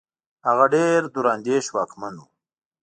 هغه ډېر دور اندېش واکمن وو.